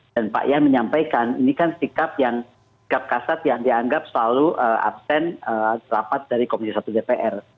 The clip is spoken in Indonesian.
dan pak yan menyampaikan ini kan sikap yang sikap kasat yang dianggap selalu absen rapat dari komisi satu dpr